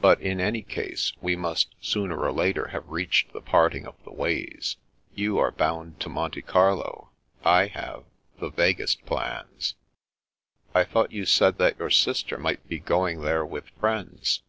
But, in any case, we must sooner or later have reached the parting of the ways. You are bound to Monte Carlo. I have — ^the vaguest plans." '' I thought you said that your sister might be going there with friends."